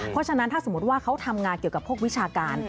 เพราะฉะนั้นถ้าสมมุติว่าเขาทำงานเกี่ยวกับพวกวิชาการ